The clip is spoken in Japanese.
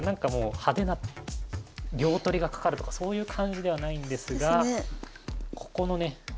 派手な両取りがかかるとかそういう感じではないんですがここのね